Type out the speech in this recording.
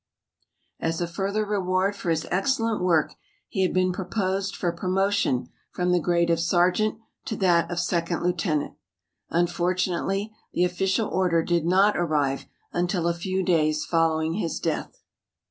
As a further reward for his excellent work he had been proposed for promotion from the grade of sergeant to that of second lieutenant. Unfortunately the official order did not arrive until a few days following his death.